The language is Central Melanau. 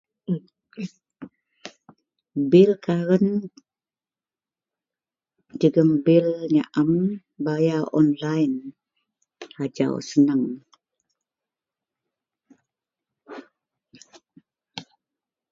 Bil karen... jegem bil nyam bayar online ajau seneng.... yeh